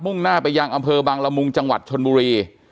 ่งหน้าไปยังอำเภอบางละมุงจังหวัดชนบุรี